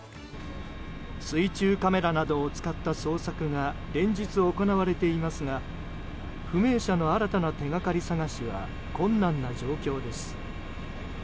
水中カメラなどを使った捜索が連日行われていますが不明者の新たな手掛かり探しは困難な状況です。